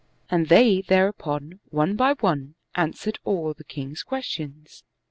And they thereupon, one by one, answered all the king's questions.